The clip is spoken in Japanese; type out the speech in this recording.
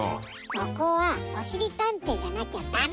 そこはおしりたんていじゃなきゃダメじゃない。